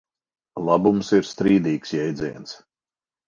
Labums ir strīdīgs jēdziens.